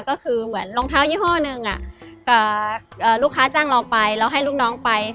ก็คือเหมือนรองเท้ายี่ห้อหนึ่งลูกค้าจ้างเราไปเราให้ลูกน้องไป